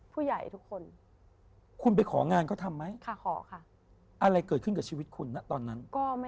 ผู้ใหญ่ทุกคนคุณไปของานเขาทำไหมค่ะขอค่ะอะไรเกิดขึ้นกับชีวิตคุณนะตอนนั้น